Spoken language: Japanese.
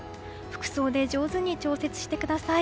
服装で上手に調節してください。